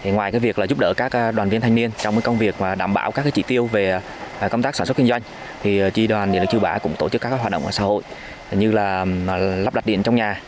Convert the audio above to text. ngoài việc giúp đỡ các đoàn viên thanh niên trong công việc đảm bảo các trị tiêu về công tác sản xuất kinh doanh tri đoàn điện lực chư bả cũng tổ chức các hoạt động xã hội như lắp đặt điện trong nhà